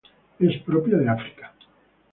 Es propia de África.